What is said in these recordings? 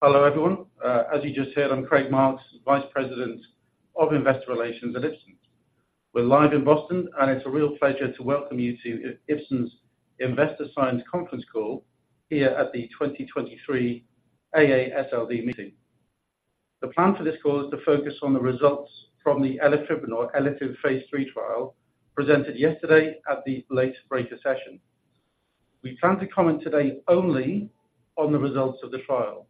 Hello, everyone. As you just heard, I'm Craig Marks, Vice President of Investor Relations at Ipsen. We're live in Boston, and it's a real pleasure to welcome you to Ipsen's investor science conference call here at the 2023 AASLD meeting. The plan for this call is to focus on the results from the elafibranor ELATIVE phase III trial, presented yesterday at the Late Breaker session. We plan to comment today only on the results of the trial.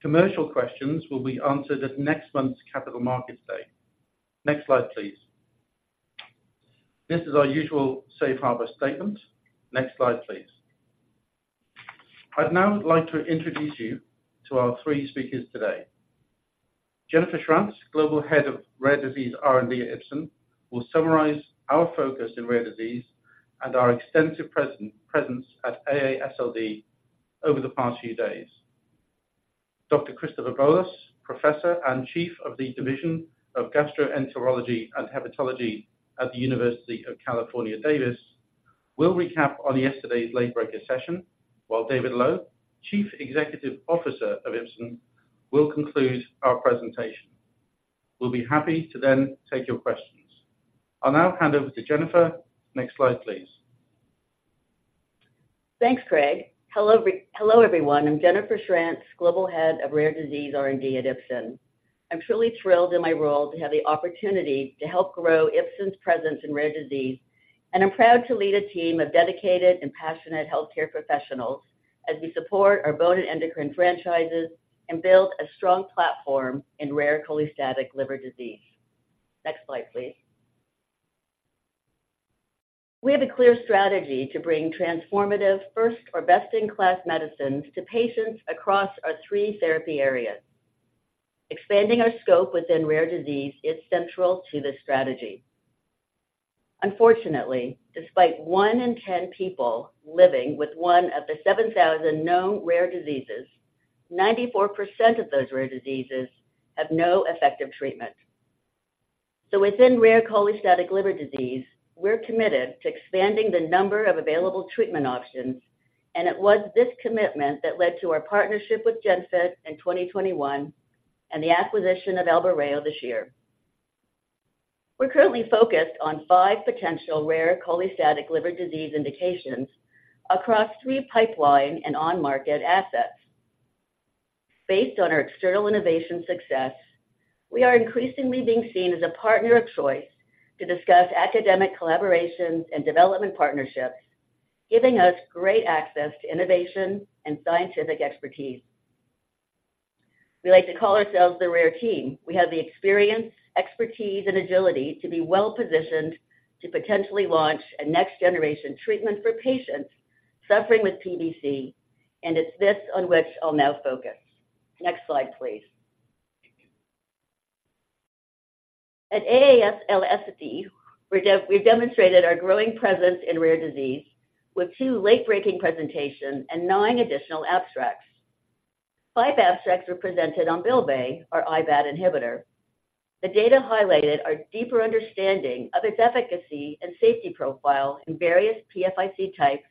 Commercial questions will be answered at next month's Capital Markets Day. Next slide, please. This is our usual safe harbor statement. Next slide, please. I'd now like to introduce you to our three speakers today. Jennifer Schranz, Global Head of Rare Disease, R&D at Ipsen, will summarize our focus in rare disease and our extensive presence at AASLD over the past few days. Dr. Christopher Bowlus, Professor and Chief of the Division of Gastroenterology and Hepatology at the University of California, Davis, will recap on yesterday's Late Breaker session, while David Loew, Chief Executive Officer of Ipsen, will conclude our presentation. We'll be happy to then take your questions. I'll now hand over to Jennifer. Next slide, please. Thanks, Craig. Hello, everyone. I'm Jennifer Schranz, Global Head of Rare Disease, R&D at Ipsen. I'm truly thrilled in my role to have the opportunity to help grow Ipsen's presence in rare disease, and I'm proud to lead a team of dedicated and passionate healthcare professionals as we support our bone and endocrine franchises and build a strong platform in rare cholestatic liver disease. Next slide, please. We have a clear strategy to bring transformative first or best-in-class medicines to patients across our three therapy areas. Expanding our scope within rare disease is central to this strategy. Unfortunately, despite one in 10 people living with one of the 7,000 known rare diseases, 94% of those rare diseases have no effective treatment. So within rare cholestatic liver disease, we're committed to expanding the number of available treatment options, and it was this commitment that led to our partnership with GENFIT in 2021, and the acquisition of Albireo this year. We're currently focused on five potential rare cholestatic liver disease indications across three pipeline and on-market assets. Based on our external innovation success, we are increasingly being seen as a partner of choice to discuss academic collaborations and development partnerships, giving us great access to innovation and scientific expertise. We like to call ourselves the rare team. We have the experience, expertise, and agility to be well-positioned to potentially launch a next-generation treatment for patients suffering with PBC, and it's this on which I'll now focus. Next slide, please. At AASLD, we've demonstrated our growing presence in rare disease with two late-breaking presentations and nine additional abstracts. Five abstracts were presented on Bylvay, our IBAT inhibitor. The data highlighted our deeper understanding of its efficacy and safety profile in various PFIC types,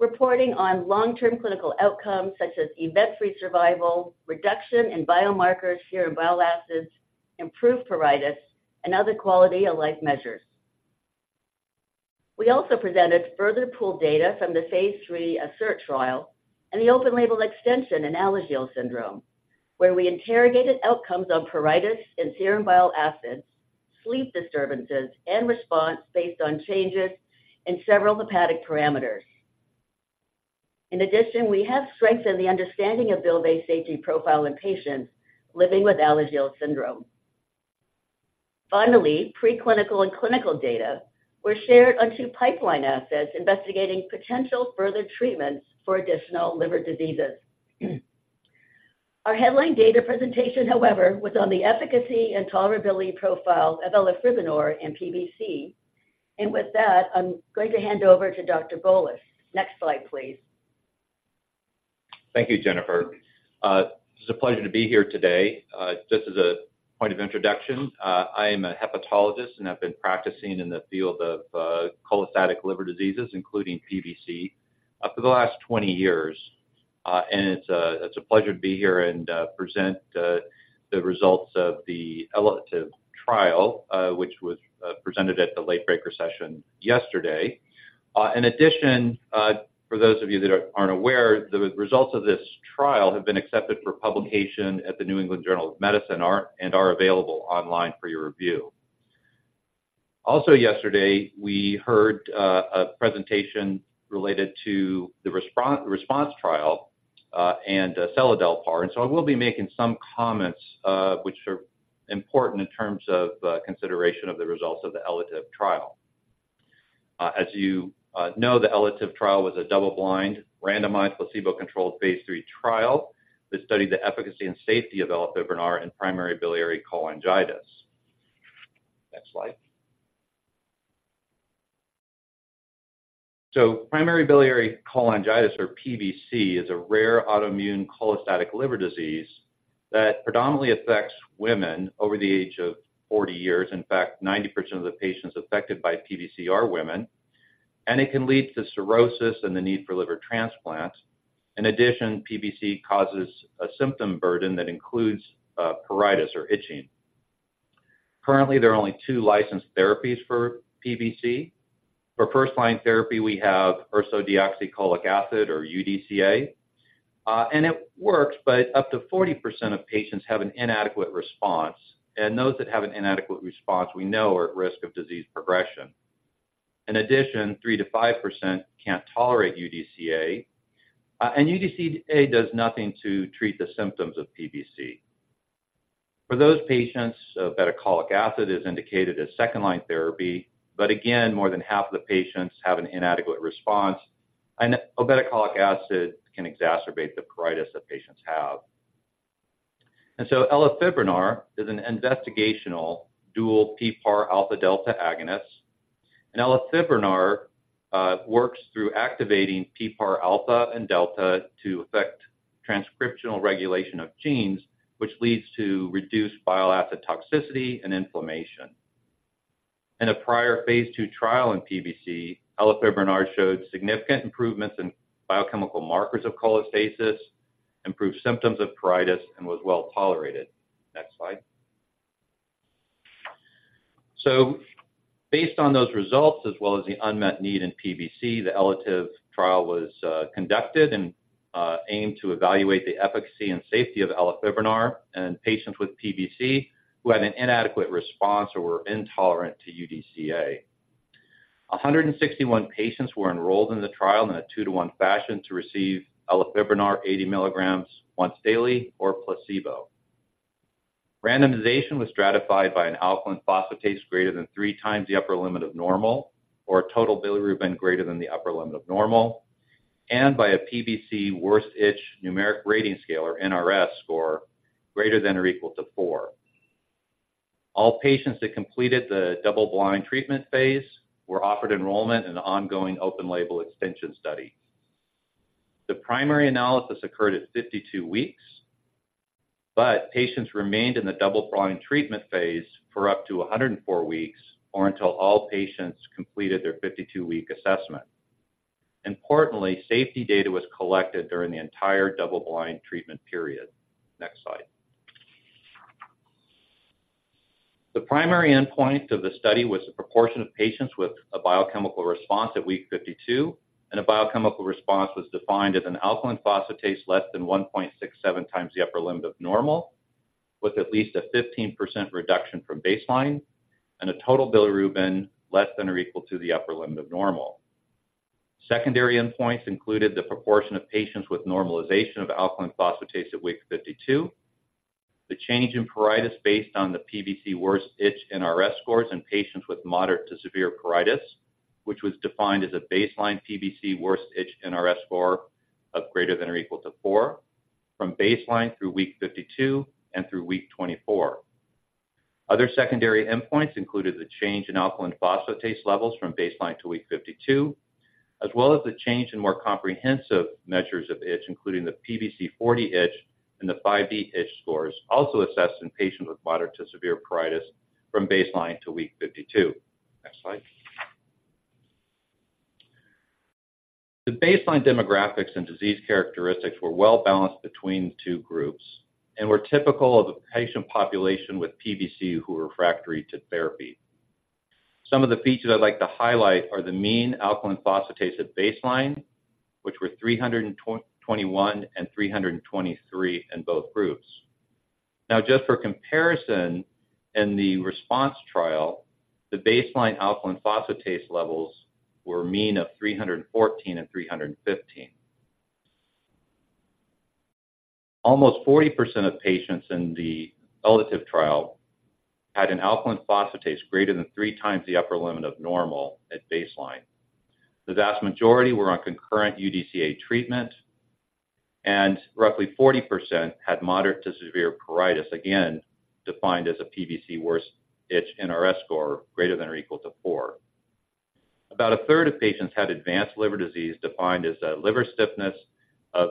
reporting on long-term clinical outcomes such as event-free survival, reduction in biomarkers, serum bile acids, improved pruritus, and other quality of life measures. We also presented further pooled data from the phase III ASSERT trial and the open-label extension in Alagille syndrome, where we interrogated outcomes on pruritus and serum bile acids, sleep disturbances, and response based on changes in several hepatic parameters. In addition, we have strengthened the understanding of Bylvay safety profile in patients living with Alagille syndrome. Finally, preclinical and clinical data were shared on two pipeline assets investigating potential further treatments for additional liver diseases. Our headline data presentation, however, was on the efficacy and tolerability profile of elafibranor in PBC. And with that, I'm going to hand over to Dr. Bowlus. Next slide, please. Thank you, Jennifer. It's a pleasure to be here today. Just as a point of introduction, I am a hepatologist, and I've been practicing in the field of cholestatic liver diseases, including PBC, for the last 20 years. And it's a pleasure to be here and present the results of the ELATIVE trial, which was presented at the Late Breaker session yesterday. In addition, for those of you that aren't aware, the results of this trial have been accepted for publication at the New England Journal of Medicine, and are available online for your review. Also yesterday, we heard a presentation related to the RESPONSE trial and seladelpar, and so I will be making some comments, which are important in terms of consideration of the results of the ELATIVE trial. As you know, the ELATIVE trial was a double-blind, randomized, placebo-controlled phase III trial that studied the efficacy and safety of elafibranor in primary biliary cholangitis. Next slide. So primary biliary cholangitis, or PBC, is a rare autoimmune cholestatic liver disease that predominantly affects women over the age of 40 years. In fact, 90% of the patients affected by PBC are women... and it can lead to cirrhosis and the need for liver transplant. In addition, PBC causes a symptom burden that includes pruritus or itching. Currently, there are only two licensed therapies for PBC. For first-line therapy, we have ursodeoxycholic acid or UDCA. And it works, but up to 40% of patients have an inadequate response, and those that have an inadequate response, we know are at risk of disease progression. In addition, 3%-5% can't tolerate UDCA, and UDCA does nothing to treat the symptoms of PBC. For those patients, obeticholic acid is indicated as second-line therapy, but again, more than half of the patients have an inadequate response, and obeticholic acid can exacerbate the pruritus that patients have. And so elafibranor is an investigational dual PPAR alpha/delta agonist, and elafibranor works through activating PPAR alpha and delta to affect transcriptional regulation of genes, which leads to reduced bile acid toxicity and inflammation. In a prior phase II trial in PBC, elafibranor showed significant improvements in biochemical markers of cholestasis, improved symptoms of pruritus, and was well tolerated. Next slide. Based on those results, as well as the unmet need in PBC, the ELATIVE trial was conducted and aimed to evaluate the efficacy and safety of elafibranor in patients with PBC who had an inadequate response or were intolerant to UDCA. 161 patients were enrolled in the trial in a 2-to-1 fashion to receive elafibranor 80 mg once daily or placebo. Randomization was stratified by an alkaline phosphatase greater than 3x the upper limit of normal or total bilirubin greater than the upper limit of normal, and by a PBC Worst Itch Numeric Rating Scale, or NRS, score greater than or equal to 4. All patients that completed the double-blind treatment phase were offered enrollment in the ongoing open label extension study. The primary analysis occurred at 52 weeks, but patients remained in the double-blind treatment phase for up to 104 weeks or until all patients completed their 52-week assessment. Importantly, safety data was collected during the entire double-blind treatment period. Next slide. The primary endpoint of the study was the proportion of patients with a biochemical response at week 52, and a biochemical response was defined as an alkaline phosphatase less than 1.67x the upper limit of normal, with at least a 15% reduction from baseline and a total bilirubin less than or equal to the upper limit of normal. Secondary endpoints included the proportion of patients with normalization of alkaline phosphatase at week 52, the change in pruritus based on the PBC worst itch NRS scores in patients with moderate to severe pruritus, which was defined as a baseline PBC worst itch NRS score of greater than or equal to 4, from baseline through week 52 and through week 24. Other secondary endpoints included the change in alkaline phosphatase levels from baseline to week 52, as well as the change in more comprehensive measures of itch, including the PBC-40 itch and the 5-D itch scores, also assessed in patients with moderate to severe pruritus from baseline to week 52. Next slide. The baseline demographics and disease characteristics were well balanced between the two groups and were typical of the patient population with PBC who were refractory to therapy. Some of the features I'd like to highlight are the mean alkaline phosphatase at baseline, which were 321 and 323 in both groups. Now, just for comparison, in the RESPONSE trial, the baseline alkaline phosphatase levels were a mean of 314 and 315. Almost 40% of patients in the ELATIVE trial had an alkaline phosphatase greater than 3x the upper limit of normal at baseline. The vast majority were on concurrent UDCA treatment, and roughly 40% had moderate to severe pruritus, again, defined as a PBC worst itch NRS score greater than or equal to 4. About a third of patients had advanced liver disease, defined as a liver stiffness of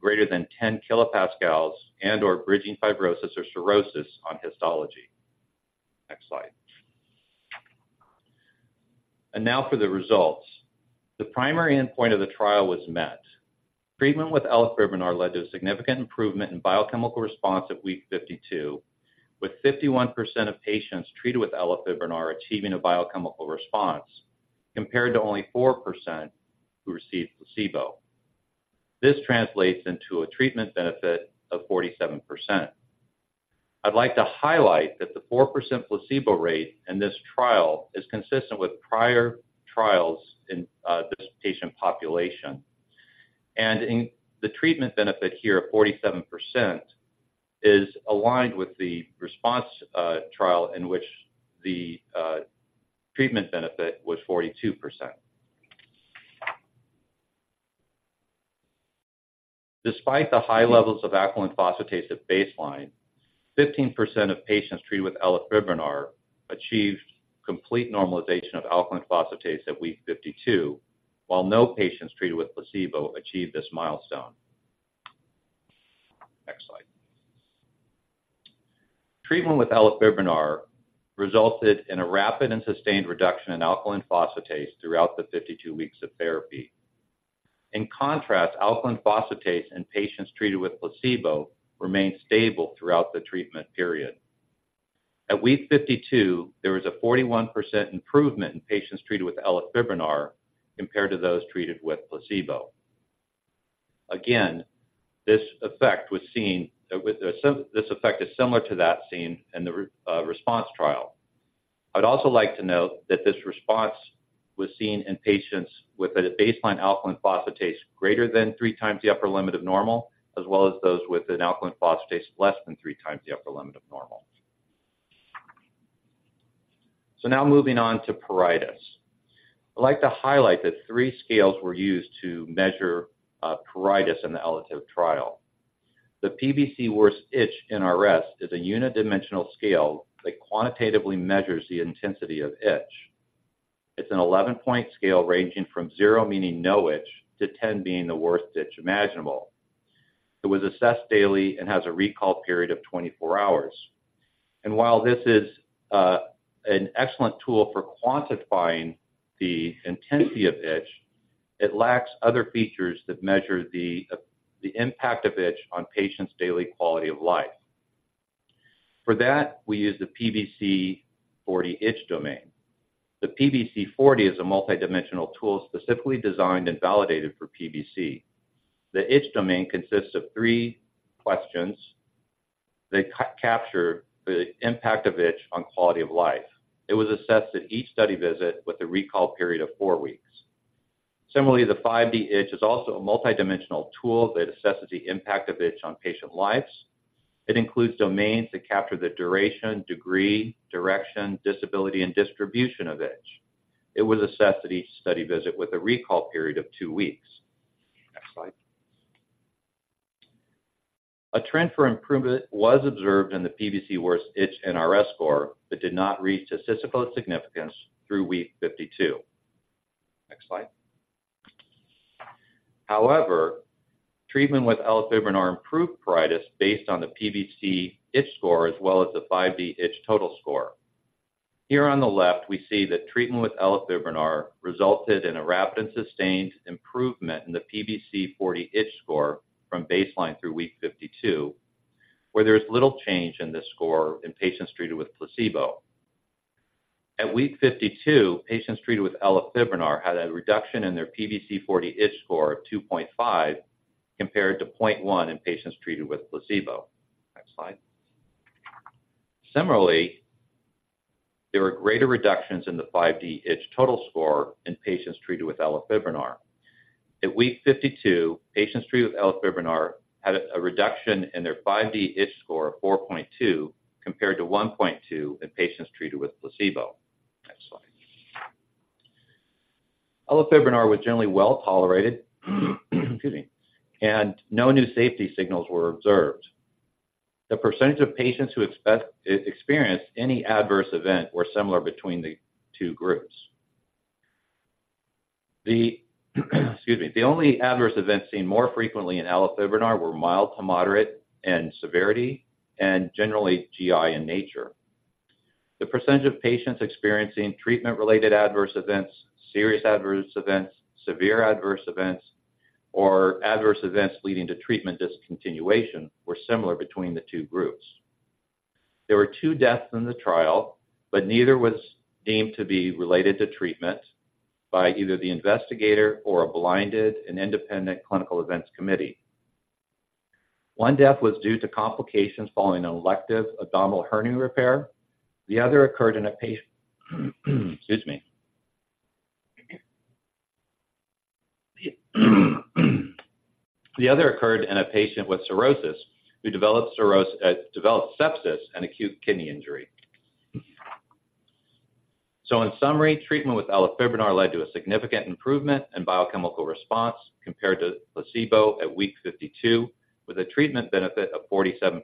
greater than 10 kPa and/or bridging fibrosis or cirrhosis on histology. Next slide. And now for the results. The primary endpoint of the trial was met. Treatment with elafibranor led to a significant improvement in biochemical response at week 52, with 51% of patients treated with elafibranor achieving a biochemical response, compared to only 4% who received placebo. This translates into a treatment benefit of 47%. I'd like to highlight that the 4% placebo rate in this trial is consistent with prior trials in this patient population, and in the treatment benefit here of 47% is aligned with the RESPONSE trial, in which the treatment benefit was 42%. Despite the high levels of alkaline phosphatase at baseline, 15% of patients treated with elafibranor achieved complete normalization of alkaline phosphatase at week 52, while no patients treated with placebo achieved this milestone. Treatment with elafibranor resulted in a rapid and sustained reduction in alkaline phosphatase throughout the 52 weeks of therapy. In contrast, alkaline phosphatase in patients treated with placebo remained stable throughout the treatment period. At week 52, there was a 41% improvement in patients treated with elafibranor compared to those treated with placebo. Again, this effect was seen; this effect is similar to that seen in the RESPONSE trial. I'd also like to note that this response was seen in patients with a baseline alkaline phosphatase greater than 3x the upper limit of normal, as well as those with an alkaline phosphatase less than 3x the upper limit of normal. Now moving on to pruritus. I'd like to highlight that three scales were used to measure pruritus in the ELATIVE trial. The PBC Worst Itch NRS is a unidimensional scale that quantitatively measures the intensity of itch. It's an 11-point scale ranging from 0, meaning no itch, to 10 being the worst itch imaginable. It was assessed daily and has a recall period of 24 hours. While this is an excellent tool for quantifying the intensity of itch, it lacks other features that measure the impact of itch on patients' daily quality of life. For that, we use the PBC-40 itch domain. The PBC-40 is a multidimensional tool specifically designed and validated for PBC. The itch domain consists of three questions that capture the impact of itch on quality of life. It was assessed at each study visit with a recall period of four weeks. Similarly, the 5-D itch is also a multidimensional tool that assesses the impact of itch on patient lives. It includes domains that capture the duration, degree, direction, disability, and distribution of itch. It was assessed at each study visit with a recall period of two weeks. Next slide. A trend for improvement was observed in the PBC Worst Itch NRS score but did not reach statistical significance through week 52. Next slide. However, treatment with elafibranor improved pruritus based on the PBC Itch score, as well as the 5-D itch total score. Here on the left, we see that treatment with elafibranor resulted in a rapid and sustained improvement in the PBC-40 itch score from baseline through week 52, where there is little change in this score in patients treated with placebo. At week 52, patients treated with elafibranor had a reduction in their PBC-40 itch score of 2.5, compared to 0.1 in patients treated with placebo. Next slide. Similarly, there were greater reductions in the 5-D itch total score in patients treated with elafibranor. At week 52, patients treated with elafibranor had a reduction in their 5-D itch score of 4.2, compared to 1.2 in patients treated with placebo. Next slide. Elafibranor was generally well-tolerated, excuse me, and no new safety signals were observed. The percentage of patients who experienced any adverse event were similar between the two groups. Excuse me, the only adverse events seen more frequently in elafibranor were mild to moderate in severity and generally GI in nature. The percentage of patients experiencing treatment-related adverse events, serious adverse events, severe adverse events, or adverse events leading to treatment discontinuation were similar between the two groups. There were 2 deaths in the trial, but neither was deemed to be related to treatment by either the investigator or a blinded and independent clinical events committee. One death was due to complications following an elective abdominal hernia repair. The other occurred in a patient with cirrhosis, who developed sepsis and acute kidney injury. So in summary, treatment with elafibranor led to a significant improvement in biochemical response compared to placebo at week 52, with a treatment benefit of 47%.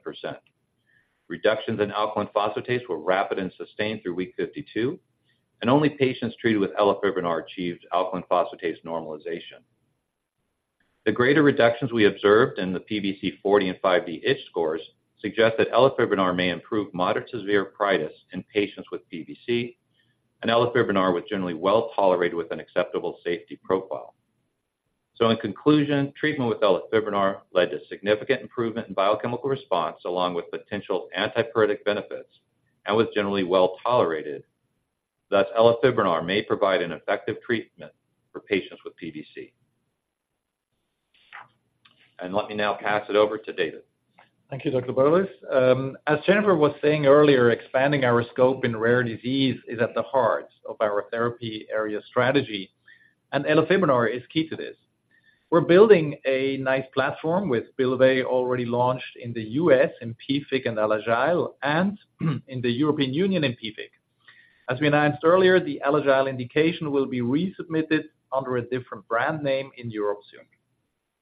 Reductions in alkaline phosphatase were rapid and sustained through week 52, and only patients treated with elafibranor achieved alkaline phosphatase normalization. The greater reductions we observed in the PBC-40 and 5-D itch scores suggest that elafibranor may improve moderate to severe pruritus in patients with PBC, and elafibranor was generally well-tolerated with an acceptable safety profile. So in conclusion, treatment with elafibranor led to significant improvement in biochemical response, along with potential antipruritic benefits, and was generally well-tolerated; thus elafibranor may provide an effective treatment for patients with PBC. Let me now pass it over to David. Thank you, Dr. Bowlus. As Jennifer was saying earlier, expanding our scope in rare disease is at the heart of our therapy area strategy, and elafibranor is key to this. We're building a nice platform with Bylvay already launched in the U.S., in PFIC and Alagille, and in the European Union in PFIC. As we announced earlier, the Alagille indication will be resubmitted under a different brand name in Europe soon.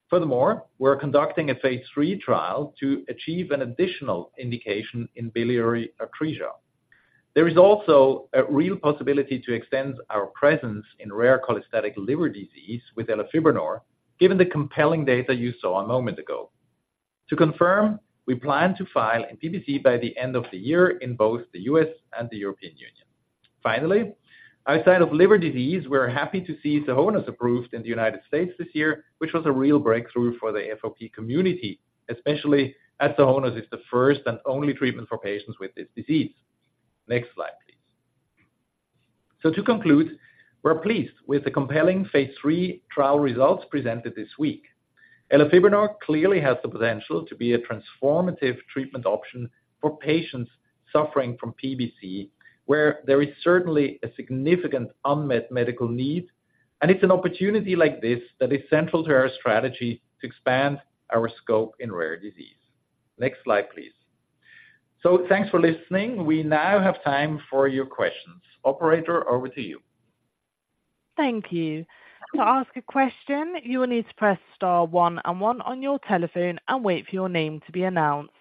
Furthermore, we're conducting a phase III trial to achieve an additional indication in biliary atresia....There is also a real possibility to extend our presence in rare cholestatic liver disease with elafibranor, given the compelling data you saw a moment ago. To confirm, we plan to file in PBC by the end of the year in both the U.S. and the European Union. Finally, outside of liver disease, we're happy to see Sohonos approved in the United States this year, which was a real breakthrough for the FOP community, especially as Sohonos is the first and only treatment for patients with this disease. Next slide, please. To conclude, we're pleased with the compelling phase III trial results presented this week. Elafibranor clearly has the potential to be a transformative treatment option for patients suffering from PBC, where there is certainly a significant unmet medical need, and it's an opportunity like this that is central to our strategy to expand our scope in rare disease. Next slide, please. Thanks for listening. We now have time for your questions. Operator, over to you. Thank you. To ask a question, you will need to press star one and one on your telephone and wait for your name to be announced.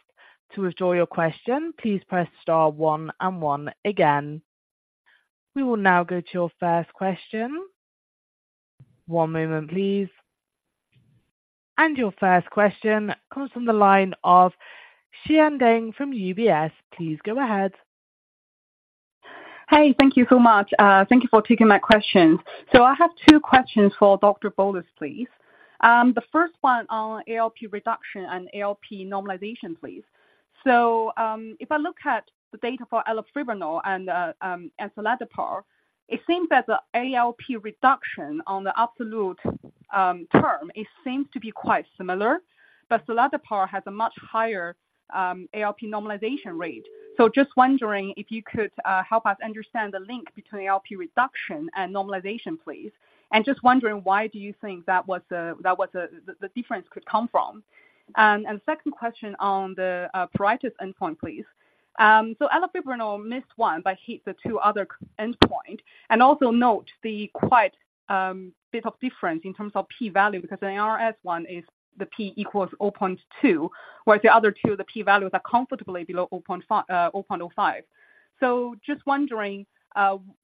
To withdraw your question, please press star one and one again. We will now go to your first question. One moment, please. Your first question comes from the line of Xian Deng from UBS. Please go ahead. Hey, thank you so much. Thank you for taking my questions. So I have two questions for Dr. Bowlus, please. The first one on ALP reduction and ALP normalization, please. So, if I look at the data for elafibranor and seladelpar, it seems that the ALP reduction on the absolute term, it seems to be quite similar, but seladelpar has a much higher ALP normalization rate. So just wondering if you could help us understand the link between ALP reduction and normalization, please. And just wondering, why do you think that was the difference could come from? And second question on the pruritus endpoint, please. So elafibranor missed one, but hit the two other endpoint, and also note the quite, bit of difference in terms of p-value, because the NRS one is the p equals 0.2, whereas the other two, the p-values are comfortably below 0.05. So just wondering,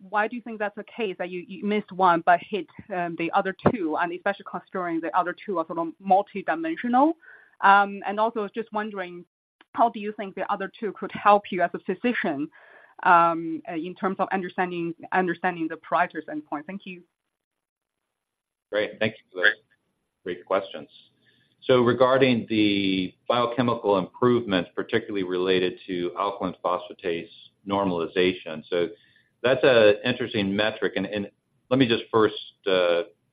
why do you think that's the case, that you, you missed one, but hit, the other two, and especially considering the other two are sort of multidimensional? And also just wondering, how do you think the other two could help you as a physician, in terms of understanding, understanding the pruritus endpoint? Thank you. Great. Thank you for the great questions. So regarding the biochemical improvements, particularly related to alkaline phosphatase normalization, so that's an interesting metric, and let me just first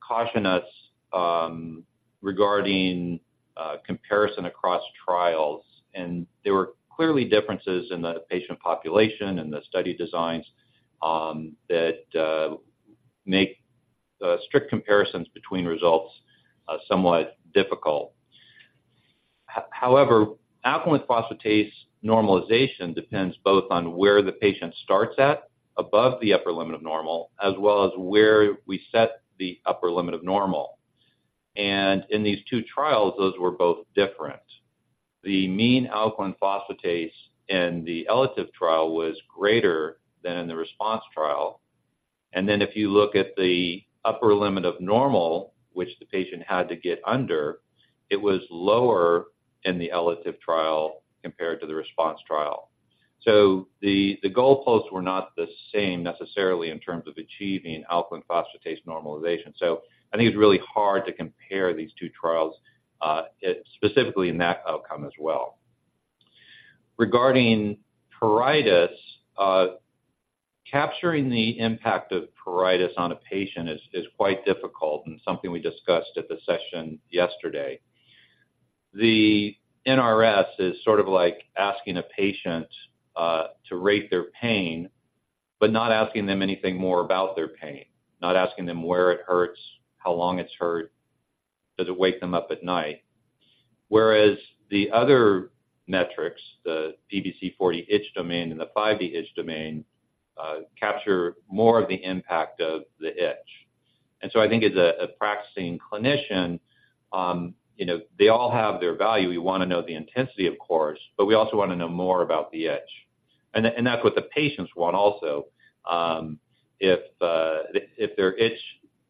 caution us regarding comparison across trials. And there were clearly differences in the patient population and the study designs that make strict comparisons between results somewhat difficult. However, alkaline phosphatase normalization depends both on where the patient starts at, above the upper limit of normal, as well as where we set the upper limit of normal. And in these two trials, those were both different. The mean alkaline phosphatase in the ELATIVE trial was greater than in the RESPONSE trial. And then if you look at the upper limit of normal, which the patient had to get under, it was lower in the ELATIVE trial compared to the RESPONSE trial. So the goalposts were not the same necessarily in terms of achieving alkaline phosphatase normalization. So I think it's really hard to compare these two trials, specifically in that outcome as well. Regarding pruritus, capturing the impact of pruritus on a patient is quite difficult and something we discussed at the session yesterday. The NRS is sort of like asking a patient to rate their pain, but not asking them anything more about their pain, not asking them where it hurts, how long it's hurt, does it wake them up at night? Whereas the other metrics, the PBC-40 itch domain and the 5-D itch domain, capture more of the impact of the itch. And so I think as a practicing clinician, you know, they all have their value. We want to know the intensity, of course, but we also want to know more about the itch. And that's what the patients want also. If their itch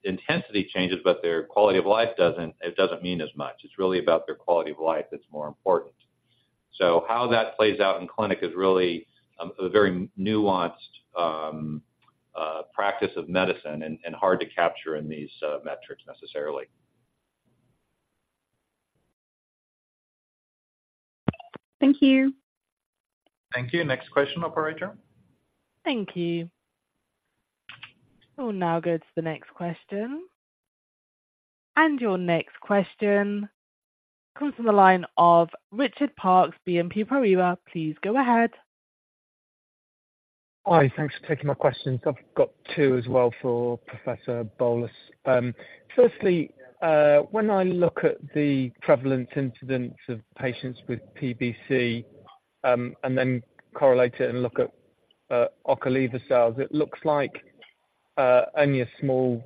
intensity changes, but their quality of life doesn't, it doesn't mean as much. It's really about their quality of life that's more important. So how that plays out in clinic is really a very nuanced practice of medicine and hard to capture in these metrics necessarily. Thank you. Thank you. Next question, operator. Thank you. We'll now go to the next question. Your next question comes from the line of Richard Parkes, BNP Paribas. Please go ahead. Hi, thanks for taking my questions. I've got two as well for Professor Bowlus. Firstly, when I look at the prevalent incidence of patients with PBC, and then correlate it and look at Ocaliva sales, it looks like only a small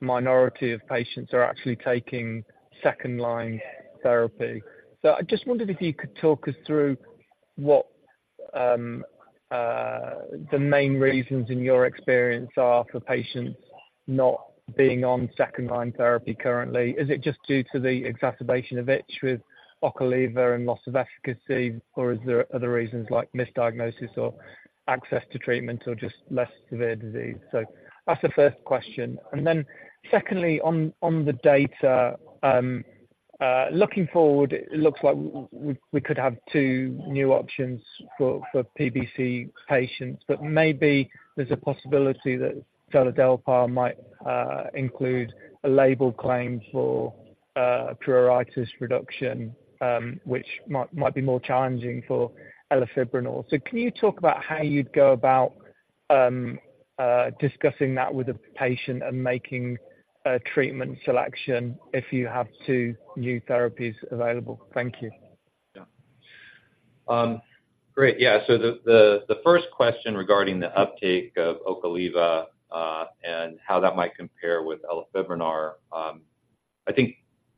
minority of patients are actually taking second-line therapy. So I just wondered if you could talk us through what the main reasons in your experience are for patients not being on second-line therapy currently. Is it just due to the exacerbation of itch with Ocaliva and loss of efficacy, or is there other reasons like misdiagnosis or access to treatment or just less severe disease? So that's the first question. Then secondly, on the data, looking forward, it looks like we could have two new options for PBC patients, but maybe there's a possibility that seladelpar might include a label claim for pruritus reduction, which might be more challenging for elafibranor. So can you talk about how you'd go about discussing that with a patient and making a treatment selection if you have two new therapies available? Thank you. Yeah. Great. Yeah, so the first question regarding the uptake of Ocaliva, and how that might compare with elafibranor, I think,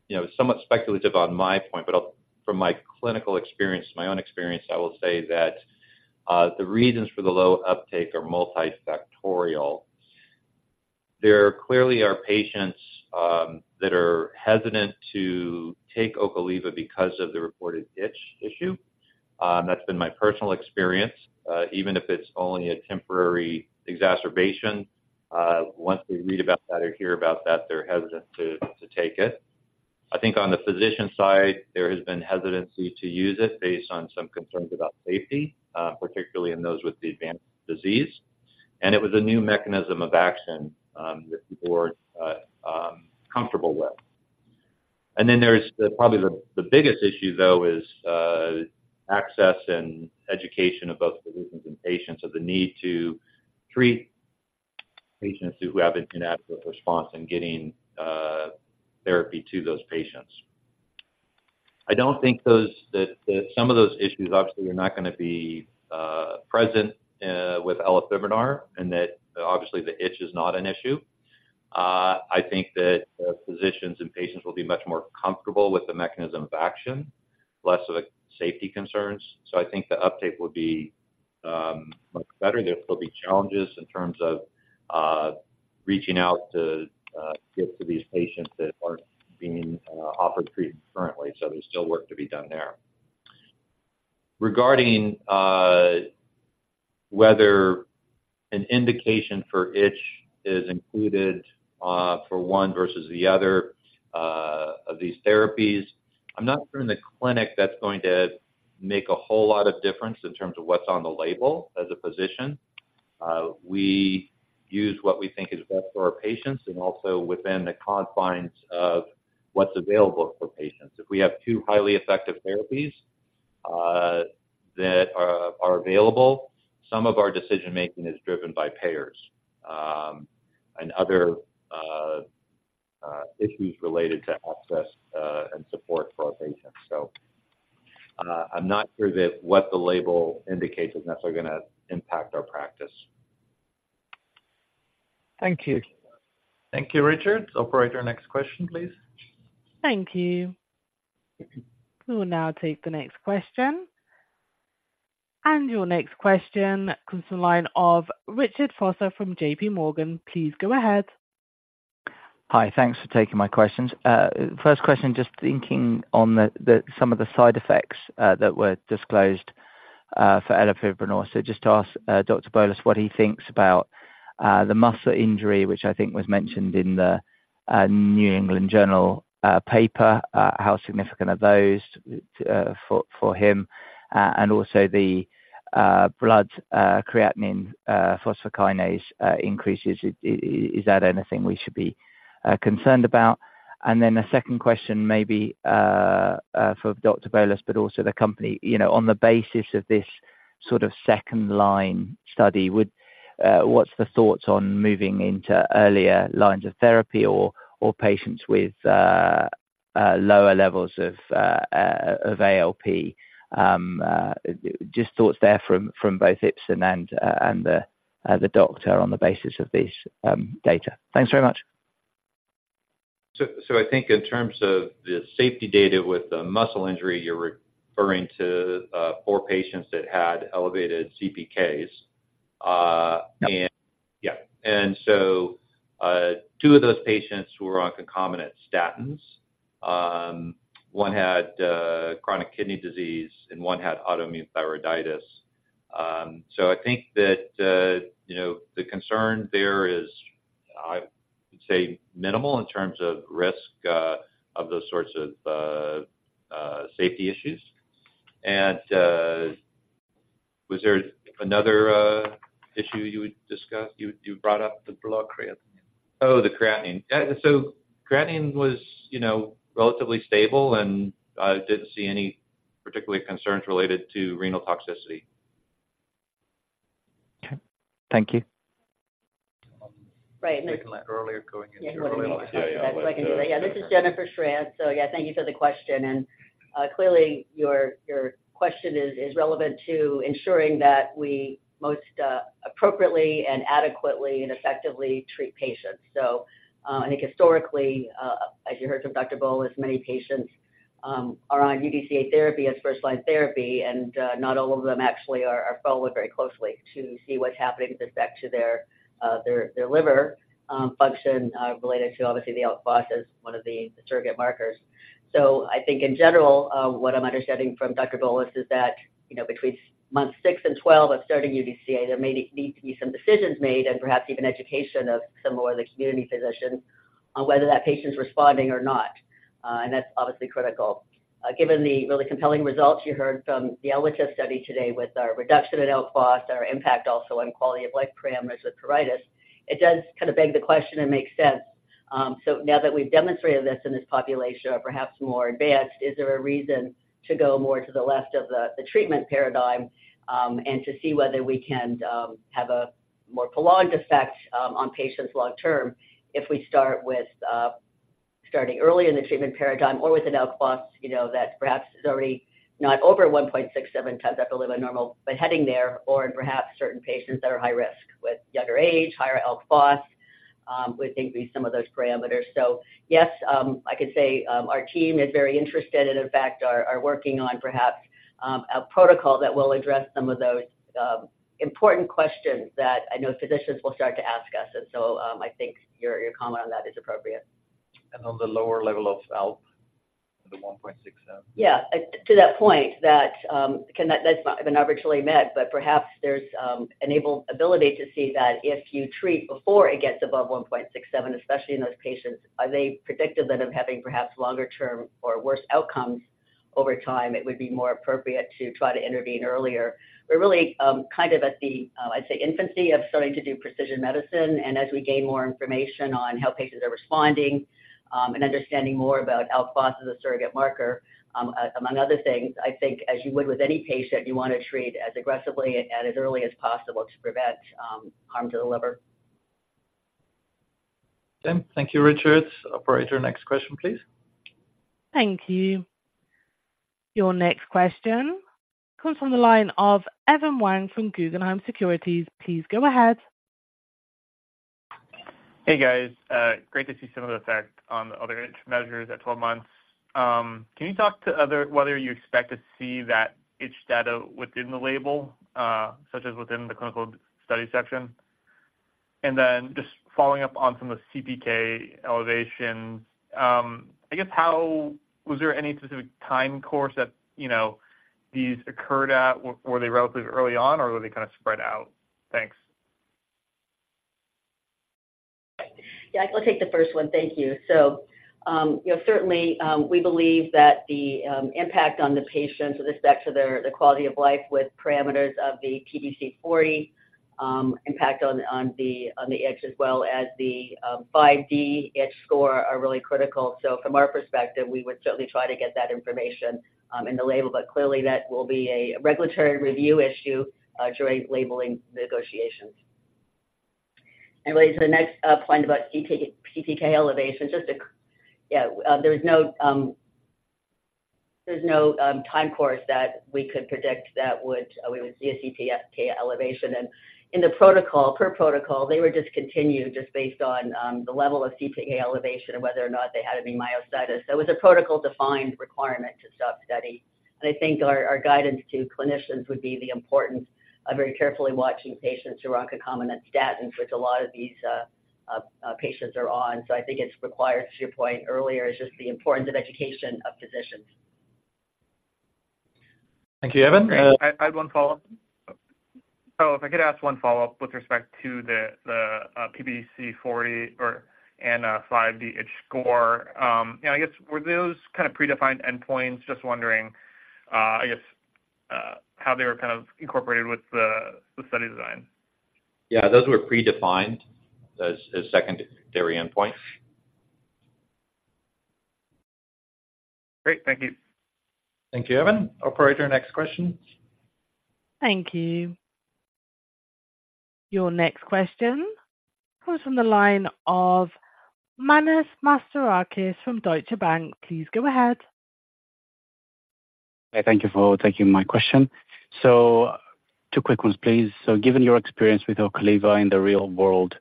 you know, somewhat speculative on my point, but I'll—from my clinical experience, my own experience, I will say that, the reasons for the low uptake are multifactorial. There clearly are patients that are hesitant to take Ocaliva because of the reported itch issue. That's been my personal experience. Even if it's only a temporary exacerbation, once we read about that or hear about that, they're hesitant to take it. I think on the physician side, there has been hesitancy to use it based on some concerns about safety, particularly in those with the advanced disease. And it was a new mechanism of action that people weren't comfortable with. And then there's the... Probably the biggest issue, though, is access and education of both physicians and patients of the need to treat patients who have an inadequate response in getting therapy to those patients. I don't think that some of those issues obviously are not gonna be present with elafibranor, and that obviously the itch is not an issue. I think that the physicians and patients will be much more comfortable with the mechanism of action, less of the safety concerns. So I think the uptake will be much better. There will be challenges in terms of reaching out to get to these patients that aren't being offered treatment currently, so there's still work to be done there. Regarding whether an indication for itch is included for one versus the other of these therapies, I'm not sure in the clinic that's going to make a whole lot of difference in terms of what's on the label as a physician. We use what we think is best for our patients and also within the confines of what's available for patients. If we have two highly effective therapies that are available, some of our decision-making is driven by payers, and other issues related to access and support for our patients. So, I'm not sure that what the label indicates is necessarily gonna impact our practice. Thank you. Thank you, Richard. Operator, next question, please. Thank you. We will now take the next question. Your next question comes from the line of Richard Vosser from JPMorgan. Please go ahead. Hi, thanks for taking my questions. First question, just thinking on some of the side effects that were disclosed for elafibranor. So just to ask, Dr. Bowlus, what he thinks about the muscle injury, which I think was mentioned in the New England Journal paper, how significant are those for him? And also the blood creatinine phosphokinase increases. Is that anything we should be concerned about? And then the second question, maybe for Dr. Bowlus, but also the company. You know, on the basis of this sort of second line study, what's the thoughts on moving into earlier lines of therapy or patients with lower levels of ALP? Just thoughts there from both Ipsen and the doctor on the basis of this data. Thanks very much. So, I think in terms of the safety data with the muscle injury, you're referring to four patients that had elevated CPKs, Yep. Yeah. And so, two of those patients were on concomitant statins, one had chronic kidney disease, and one had autoimmune thyroiditis. So I think that, you know, the concern there is, I would say, minimal in terms of risk of those sorts of safety issues. And was there another issue you would discuss? You brought up the blood creat... Oh, the creatinine. So creatinine was, you know, relatively stable, and I didn't see any particular concerns related to renal toxicity.... Thank you. Right. We can let earlier going into earlier. Yeah, this is Jennifer Schranz. So yeah, thank you for the question. Clearly, your question is relevant to ensuring that we most appropriately and adequately and effectively treat patients. So, I think historically, as you heard from Dr. Bowlus, many patients are on UDCA therapy as first-line therapy, and not all of them actually are followed very closely to see what's happening with respect to their liver function related to obviously the ALP as one of the surrogate markers. So I think in general, what I'm understanding from Dr. Bowlus is that, you know, between months six and 12 of starting UDCA, there may need to be some decisions made and perhaps even education of some more of the community physicians on whether that patient's responding or not. And that's obviously critical. Given the really compelling results you heard from the ELATIVE study today with our reduction in [how faster], our impact also on quality of life parameters with pruritus, it does kind of beg the question and make sense. So now that we've demonstrated this in this population or perhaps more advanced, is there a reason to go more to the left of the, the treatment paradigm, and to see whether we can, have a more prolonged effect, on patients long term if we start with, starting early in the treatment paradigm or with an ALP, you know, that perhaps is already not over 1.67x upper limit normal, but heading there, or in perhaps certain patients that are high risk with younger age, higher ALP, would think be some of those parameters. So, yes, I can say, our team is very interested and in fact, are working on perhaps a protocol that will address some of those important questions that I know physicians will start to ask us, and so, I think your comment on that is appropriate. On the lower level of ALP, the 1.67? Yeah. To that point, that's not been originally met, but perhaps there's an ability to see that if you treat before it gets above 1.67, especially in those patients, are they predictive then of having perhaps longer term or worse outcomes over time, it would be more appropriate to try to intervene earlier. We're really kind of at the, I'd say, infancy of starting to do precision medicine, and as we gain more information on how patients are responding, and understanding more about ALP as a surrogate marker, among other things, I think as you would with any patient, you want to treat as aggressively and as early as possible to prevent harm to the liver. Jim, thank you, Richard. Operator, next question, please. Thank you. Your next question comes from the line of Evan Wang from Guggenheim Securities. Please go ahead. Hey, guys. Great to see some of the effect on the other itch measures at 12 months. Can you talk to whether you expect to see that itch data within the label, such as within the clinical study section? And then just following up on some of the CPK elevations, I guess, was there any specific time course that, you know, these occurred at? Were they relatively early on, or were they kind of spread out? Thanks. Yeah, I'll take the first one. Thank you. So, you know, certainly, we believe that the impact on the patients with respect to their quality of life with parameters of the PBC-40, impact on the itch as well as the 5-D itch score are really critical. So from our perspective, we would certainly try to get that information in the label, but clearly that will be a regulatory review issue during labeling negotiations. And with the next point about CPK, CPK elevation, there is no time course that we could predict that we would see a CPK elevation. And in the protocol, per protocol, they were discontinued just based on the level of CPK elevation and whether or not they had any myositis. So it was a protocol-defined requirement to stop study. And I think our guidance to clinicians would be the importance of very carefully watching patients who are on concomitant and statins, which a lot of these patients are on. So I think it's required, to your point earlier, is just the importance of education of physicians. Thank you, Evan. I have one follow-up. If I could ask one follow-up with respect to the PBC 40 and 5-D itch score. You know, I guess, were those kind of predefined endpoints? Just wondering, I guess, how they were kind of incorporated with the study design. Yeah, those were predefined as secondary endpoints. Great. Thank you. Thank you, Evan. Operator, next question. Thank you. Your next question comes from the line of Manos Mastorakis from Deutsche Bank. Please go ahead. Hey, thank you for taking my question. So two quick ones, please. So given your experience with Ocaliva in the real world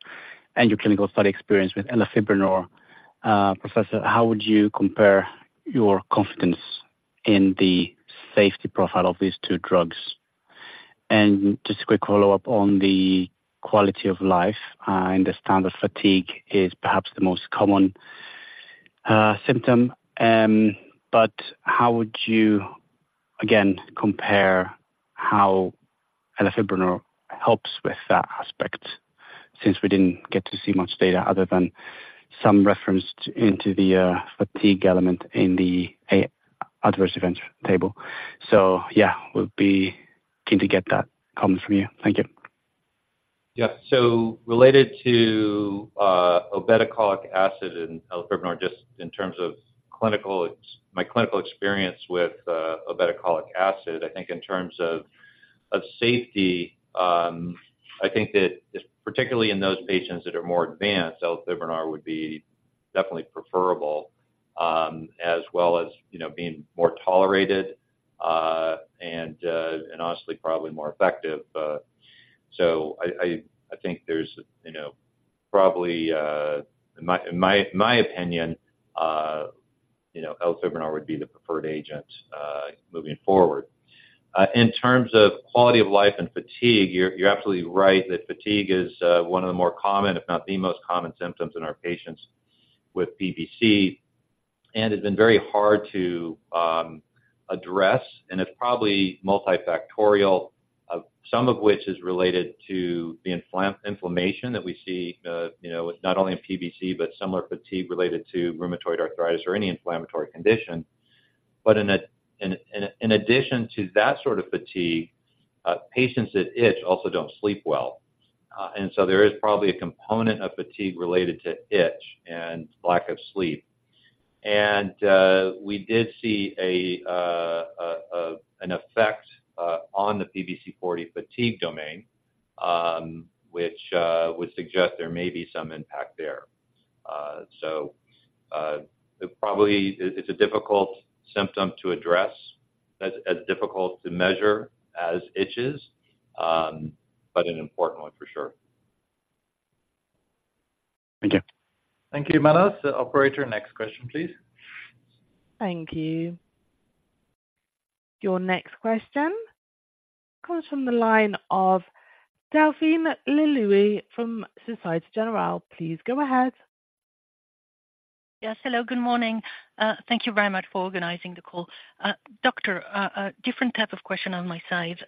and your clinical study experience with elafibranor, professor, how would you compare your confidence in the safety profile of these two drugs? And just a quick follow-up on the quality of life. I understand the fatigue is perhaps the most common symptom, but how would you, again, compare how elafibranor helps with that aspect, since we didn't get to see much data other than some reference into the fatigue element in the adverse event table? So yeah, we'll be keen to get that comment from you. Thank you. Yeah. So related to obeticholic acid and elafibranor, just in terms of- ... clinical, my clinical experience with obeticholic acid, I think in terms of safety, I think that, particularly in those patients that are more advanced, elafibranor would be definitely preferable, as well as, you know, being more tolerated, and honestly, probably more effective. So I think there's, you know, probably, in my opinion, you know, elafibranor would be the preferred agent, moving forward. In terms of quality of life and fatigue, you're absolutely right that fatigue is one of the more common, if not the most common symptoms in our patients with PBC, and has been very hard to address, and it's probably multifactorial, some of which is related to the inflammation that we see, you know, not only in PBC, but similar fatigue related to rheumatoid arthritis or any inflammatory condition. But in addition to that sort of fatigue, patients that itch also don't sleep well. And so there is probably a component of fatigue related to itch and lack of sleep. And we did see an effect on the PBC-40 fatigue domain, which would suggest there may be some impact there. So, probably, it's a difficult symptom to address, as difficult to measure as itches, but an important one for sure. Thank you. Thank you, Manos. Operator, next question, please. Thank you. Your next question comes from the line of Delphine Le Louët from Société Générale. Please, go ahead. Yes, hello, good morning. Thank you very much for organizing the call. Doctor, a different type of question on my side.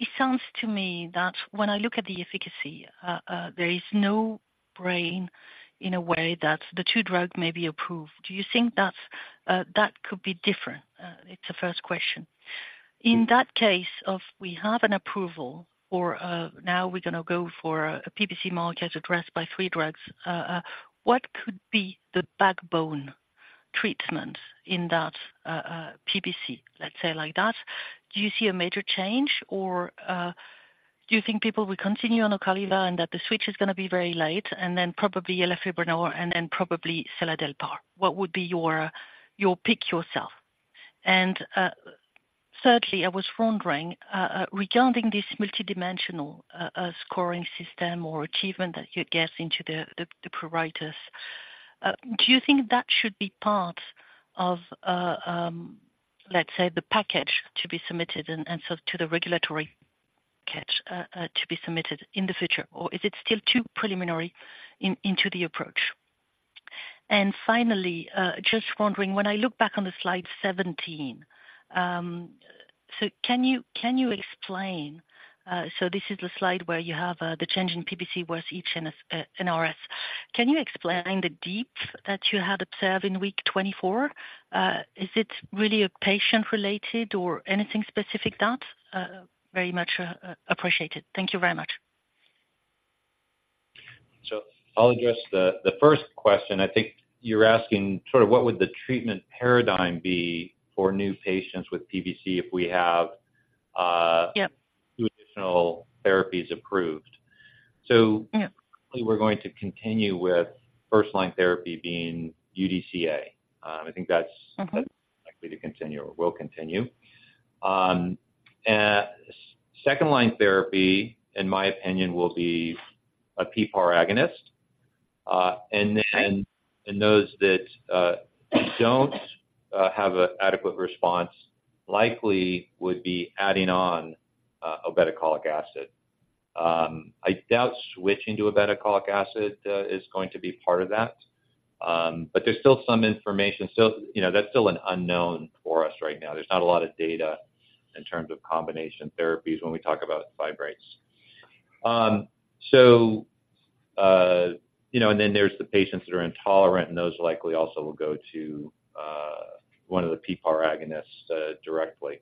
It sounds to me that when I look at the efficacy, it's no brainer in a way that the two drugs may be approved. Do you think that that could be different? It's the first question. In that case, if we have an approval or now we're going to go for a PBC market addressed by three drugs, what could be the backbone treatment in that PBC? Let's say like that. Do you see a major change, or do you think people will continue on Ocaliva and that the switch is going to be very late, and then probably elafibranor, and then probably seladelpar? What would be your pick yourself? Thirdly, I was wondering regarding this multidimensional scoring system or achievement that you get into the pruritus, do you think that should be part of let's say the package to be submitted and so to the regulatory package to be submitted in the future? Or is it still too preliminary into the approach? And finally, just wondering, when I look back on the slide 17, so can you explain, so this is the slide where you have the change in PBC Worst Itch NRS. Can you explain the dip that you had observed in week 24? Is it really a patient related or anything specific that? Very much appreciated. Thank you very much. I'll address the first question. I think you're asking sort of what would the treatment paradigm be for new patients with PBC if we have... Yep. Two additional therapies approved. Yep. We're going to continue with first-line therapy being UDCA. I think that's- Mm-hmm. Likely to continue or will continue. Second-line therapy, in my opinion, will be a PPAR agonist, and then- Right. And those that don't have an adequate response likely would be adding on obeticholic acid. I doubt switching to obeticholic acid is going to be part of that, but there's still some information. So, you know, that's still an unknown for us right now. There's not a lot of data in terms of combination therapies when we talk about fibrates. So, you know, and then there's the patients that are intolerant, and those likely also will go to one of the PPAR agonists directly.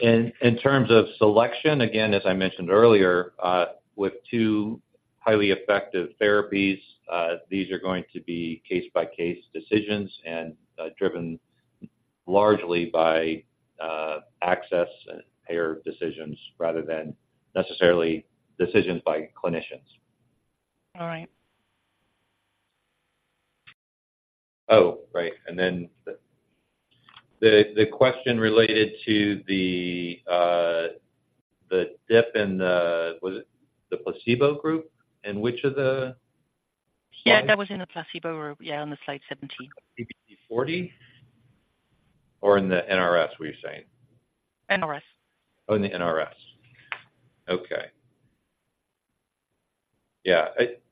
In terms of selection, again, as I mentioned earlier, with two highly effective therapies, these are going to be case-by-case decisions and driven largely by access and payer decisions rather than necessarily decisions by clinicians. All right. Oh, right. And then the question related to the dip in the—was it the placebo group? In which of the- Yeah, that was in the placebo group. Yeah, on the slide 17. PBC-40? Or in the NRS, were you saying? NRS. Oh, in the NRS. Okay. Yeah, it,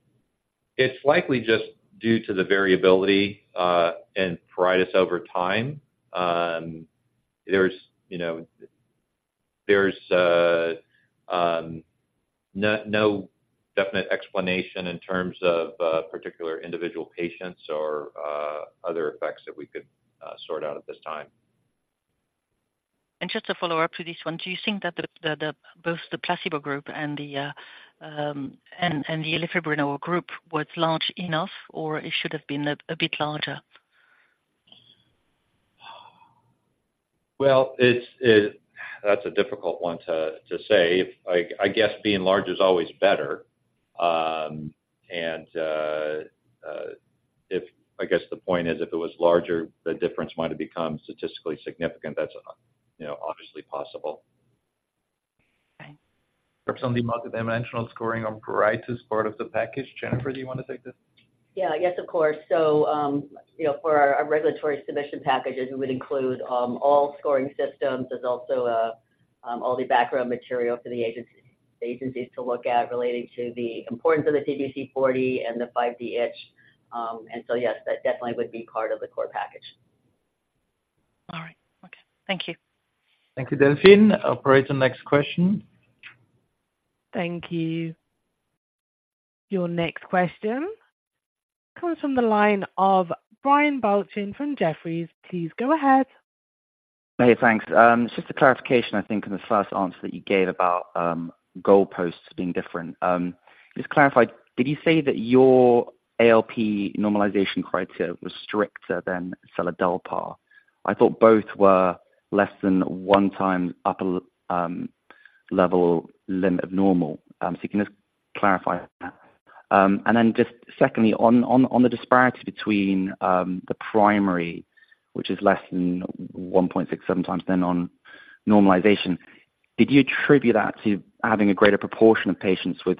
it's likely just due to the variability and pruritus over time. There's, you know, there's no definite explanation in terms of particular individual patients or other effects that we could sort out at this time. ... Just a follow-up to this one, do you think that both the placebo group and the elafibranor group was large enough, or it should have been a bit larger? Well, that's a difficult one to say. If I guess being large is always better. And if I guess the point is, if it was larger, the difference might have become statistically significant. That's, you know, obviously possible. Okay. For some, the multidimensional scoring on brightest part of the package. Jennifer, do you want to take this? Yeah. Yes, of course. So, you know, for our regulatory submission packages, we would include all scoring systems. There's also all the background material for the agency, the agencies to look at relating to the importance of the PBC-40 and the 5-D itch. And so, yes, that definitely would be part of the core package. All right. Okay. Thank you. Thank you, Delphine. Operator, next question. Thank you. Your next question comes from the line of Brian Balchin from Jefferies. Please go ahead. Hey, thanks. Just a clarification, I think, in the first answer that you gave about goalposts being different. Just clarify, did you say that your ALP normalization criteria was stricter than seladelpar? I thought both were less than 1 times upper limit of normal. So can you just clarify that? And then just secondly, on the disparity between the primary, which is less than 1.67x on normalization, did you attribute that to having a greater proportion of patients with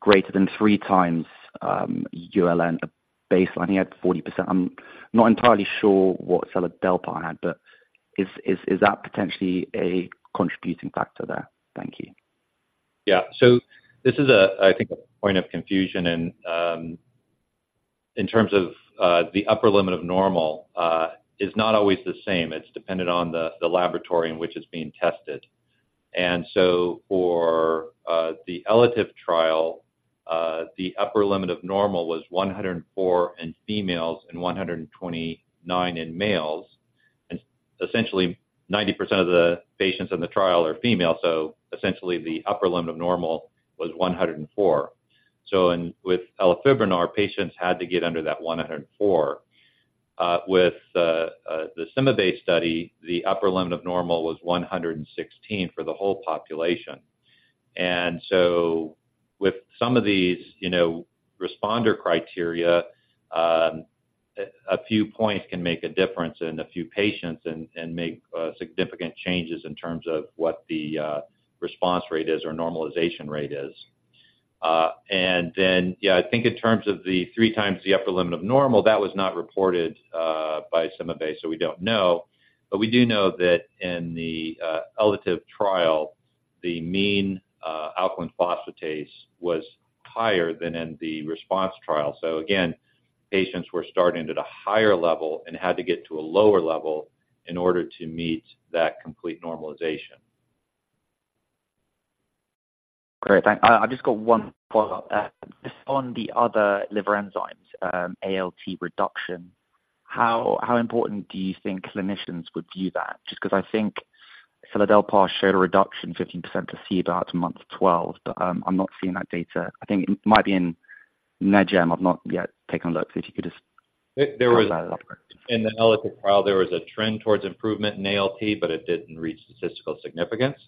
greater than 3x ULN baseline? I think you had 40%. I'm not entirely sure what seladelpar had, but is that potentially a contributing factor there? Thank you. Yeah. So this is a, I think, a point of confusion, and, in terms of, the upper limit of normal, is not always the same. It's dependent on the, the laboratory in which it's being tested. So for the ELATIVE trial, the upper limit of normal was 104 in females and 129 in males, and essentially, 90% of the patients in the trial are female, so essentially, the upper limit of normal was 104. So with elafibranor, patients had to get under that 104. With the CymaBay study, the upper limit of normal was 116 for the whole population. And so with some of these, you know, responder criteria, a few points can make a difference in a few patients and make significant changes in terms of what the response rate is or normalization rate is. And then, yeah, I think in terms of the 3x the upper limit of normal, that was not reported by CymaBay, so we don't know. But we do know that in the ELATIVE trial, the mean alkaline phosphatase was higher than in the RESPONSE trial. So again, patients were starting at a higher level and had to get to a lower level in order to meet that complete normalization. Great, thanks. I've just got one follow-up. Just on the other liver enzymes, ALP reduction, how important do you think clinicians would view that? Just because I think seladelpar showed a reduction 15% at around month 12, but, I'm not seeing that data. I think it might be in NEJM. I've not yet taken a look. So if you could just- In the ELEVATE trial, there was a trend towards improvement in ALP, but it didn't reach statistical significance.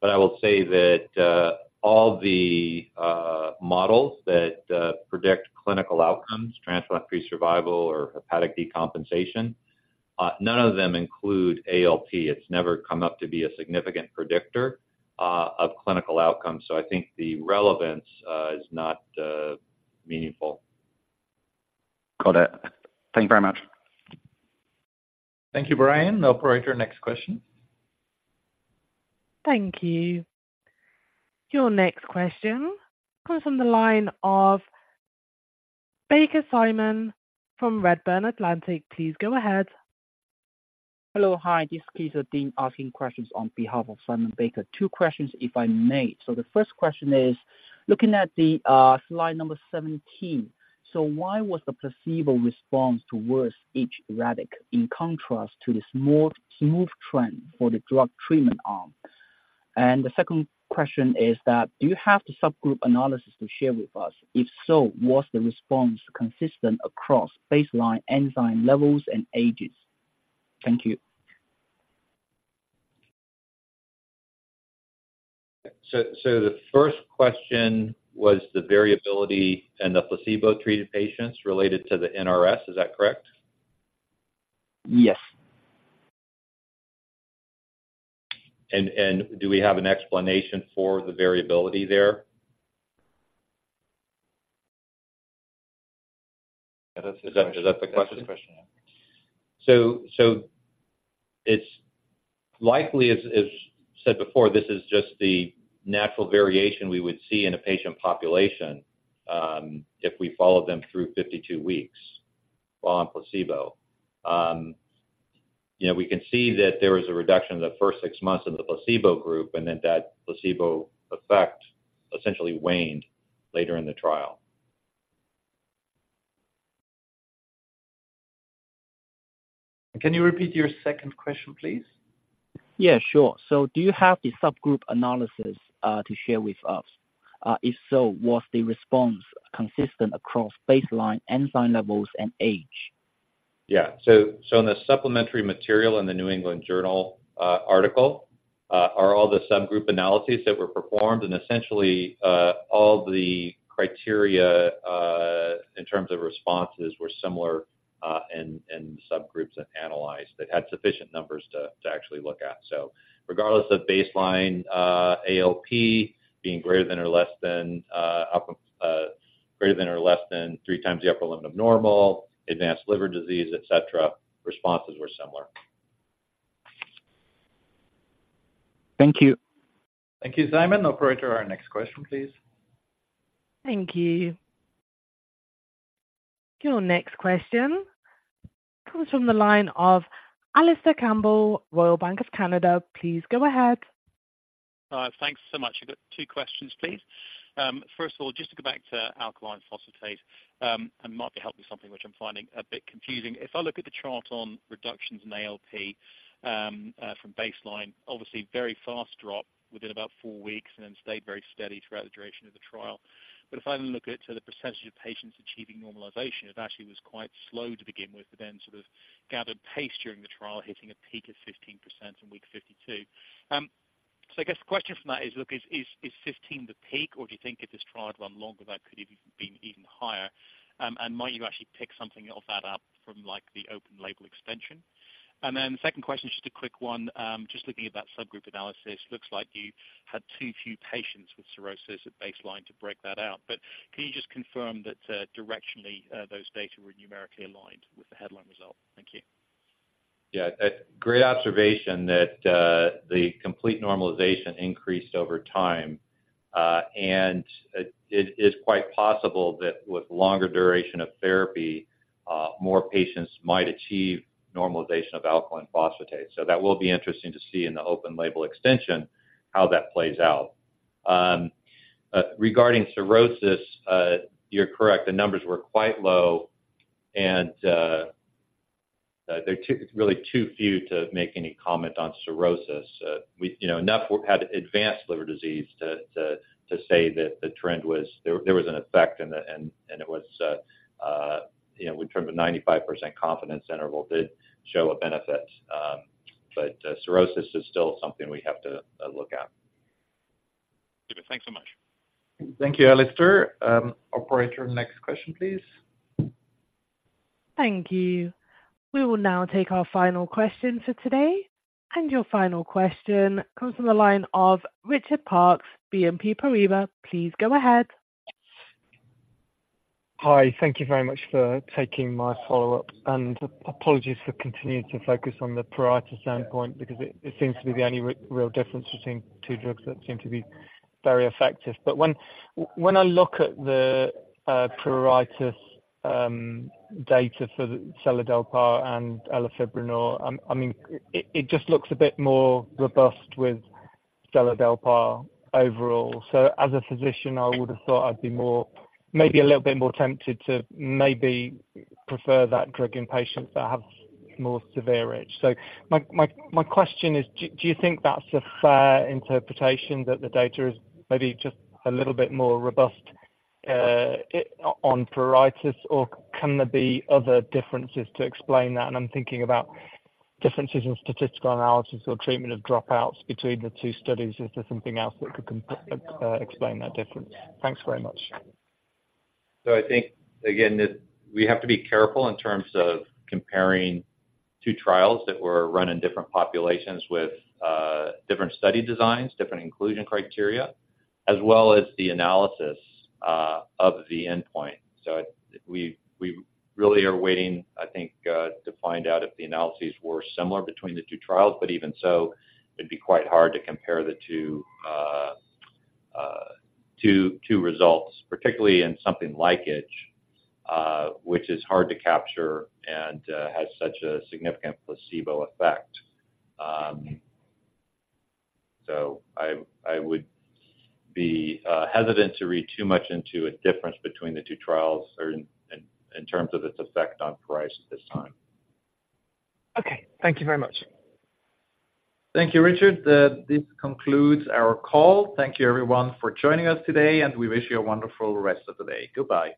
But I will say that all the models that predict clinical outcomes, transplant-free survival, or hepatic decompensation, none of them include ALP. It's never come up to be a significant predictor of clinical outcomes, so I think the relevance is not meaningful. Got it. Thank you very much. Thank you, Brian. Operator, next question. Thank you. Your next question comes from the line of Simon Baker from Redburn Atlantic. Please go ahead. Hello, hi, this is [Keith Dean] asking questions on behalf of Simon Baker. Two questions, if I may. So the first question is, looking at the slide number 17, so why was the placebo response too erratic, in contrast to the smooth, smooth trend for the drug treatment arm? And the second question is that, do you have the subgroup analysis to share with us? If so, was the response consistent across baseline enzyme levels and ages? Thank you. So, the first question was the variability in the placebo-treated patients related to the NRS. Is that correct? Yes. Do we have an explanation for the variability there? Yeah, that's- Is that, is that the question? That's the question, yeah. So it's likely, as said before, this is just the natural variation we would see in a patient population, if we followed them through 52 weeks while on placebo. You know, we can see that there was a reduction in the first six months in the placebo group, and then that placebo effect essentially waned later in the trial.... Can you repeat your second question, please? Yeah, sure. So do you have the subgroup analysis to share with us? If so, was the response consistent across baseline enzyme levels and age? Yeah. So in the supplementary material in the New England Journal article are all the subgroup analyses that were performed, and essentially all the criteria in terms of responses were similar in the subgroups that had sufficient numbers to actually look at. So regardless of baseline ALP being greater than or less than three times the upper limit of normal, advanced liver disease, et cetera, responses were similar. Thank you. Thank you, Simon. Operator, our next question, please. Thank you. Your next question comes from the line of Alistair Campbell, Royal Bank of Canada. Please go ahead. Thanks so much. I've got two questions, please. First of all, just to go back to alkaline phosphatase, and might be helping something which I'm finding a bit confusing. If I look at the chart on reductions in ALP from baseline, obviously very fast drop within about 4 weeks and then stayed very steady throughout the duration of the trial. But if I then look at the percentage of patients achieving normalization, it actually was quite slow to begin with, but then sort of gathered pace during the trial, hitting a peak of 15% in week 52. So I guess the question from that is, look, is 15 the peak, or do you think if this trial had run longer, that could have been even higher? And might you actually pick something of that up from, like, the open label extension? And then the second question, just a quick one. Just looking at that subgroup analysis, looks like you had too few patients with cirrhosis at baseline to break that out. But can you just confirm that, directionally, those data were numerically aligned with the headline result? Thank you. Yeah, a great observation that the complete normalization increased over time, and it is quite possible that with longer duration of therapy, more patients might achieve normalization of alkaline phosphatase. So that will be interesting to see in the open label extension, how that plays out. Regarding cirrhosis, you're correct. The numbers were quite low, and they're really too few to make any comment on cirrhosis. We, you know, enough had advanced liver disease to say that the trend was there was an effect, and it was, you know, in terms of 95% confidence interval did show a benefit. But cirrhosis is still something we have to look at. Thanks so much. Thank you, Alistair. Operator, next question, please. Thank you. We will now take our final question for today, and your final question comes from the line of Richard Parkes, BNP Paribas. Please go ahead. Hi, thank you very much for taking my follow-up, and apologies for continuing to focus on the pruritus standpoint, because it seems to be the only real difference between two drugs that seem to be very effective. But when I look at the pruritus data for seladelpar and elafibranor, I mean, it just looks a bit more robust with seladelpar overall. So as a physician, I would have thought I'd be more, maybe a little bit more tempted to maybe prefer that drug in patients that have more severe itch. So my question is, do you think that's a fair interpretation, that the data is maybe just a little bit more robust on pruritus, or can there be other differences to explain that? And I'm thinking about differences in statistical analysis or treatment of dropouts between the two studies. Is there something else that could explain that difference? Thanks very much. So I think, again, that we have to be careful in terms of comparing two trials that were run in different populations with different study designs, different inclusion criteria, as well as the analysis of the endpoint. So we really are waiting, I think, to find out if the analyses were similar between the two trials, but even so, it'd be quite hard to compare the two results, particularly in something like itch, which is hard to capture and has such a significant placebo effect. So I would be hesitant to read too much into a difference between the two trials or in terms of its effect on pruritus at this time. Okay. Thank you very much. Thank you, Richard. This concludes our call. Thank you, everyone, for joining us today, and we wish you a wonderful rest of the day. Goodbye.